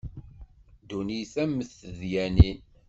A ddunit a mm tedyanin.